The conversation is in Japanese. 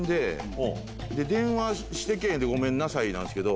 「電話して来ぇへんでごめんなさい」なんすけど。